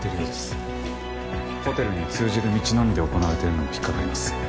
ホテルに通じる道のみで行われているのが引っかかります。